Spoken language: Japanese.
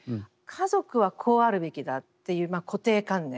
家族はこうあるべきだっていう固定観念